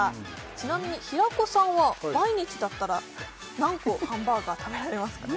ちなみに平子さんは毎日だったら何個ハンバーガー食べられますか？